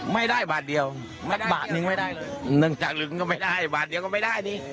ไม่ได้บาทเดียวบาทนึงไม่ได้เลยเนื่องจากหนึ่งก็ไม่ได้บาทเดียวก็ไม่ได้นี่